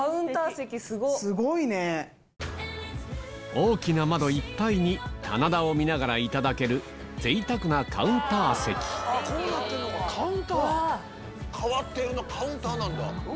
大きな窓いっぱいに棚田を見ながらいただける贅沢なカウンター席変わってるなぁカウンターなんだ。